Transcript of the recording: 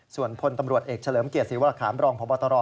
ส่วนพลตำรวจเอกเฉลิมเกียรติศรีวรคามรองพบตร